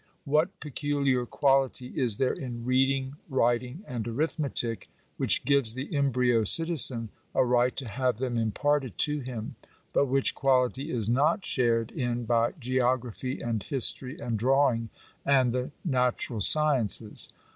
What peculiar quality is there in reading, writing, and arithmetic, which gives the embryo citizen a right to have them imparted to him, but which quality is not shared in by geography, and history, and drawing, and the natural sciences?